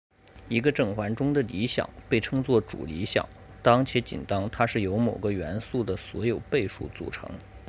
一个整环中的理想被称作主理想当且仅当它是由某个元素的所有倍数组成。